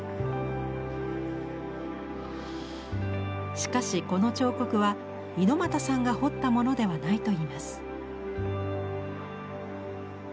しかしこの彫刻はＩＮＯＭＡＴＡさんが彫ったものではないといいます。